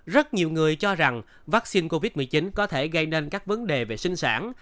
rất nhiều người cho rằng vaccine covid một mươi chín có thể gây nên các vấn đề về sinh sản